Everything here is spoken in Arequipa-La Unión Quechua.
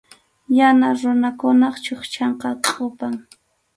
Yana runakunap chukchanqa kʼupam.